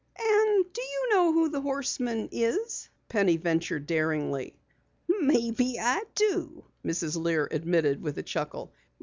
"And you know who the prankster is!" Penny ventured daringly. "Maybe I do," Mrs. Lear admitted with a chuckle.